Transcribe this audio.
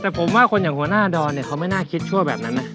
แต่ผมว่าคนอย่างหัวหน้าดอนเนี่ยเขาไม่น่าคิดชั่วแบบนั้นนะ